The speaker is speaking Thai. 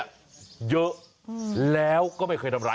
เยอะแล้วก็ไม่เคยทำร้าย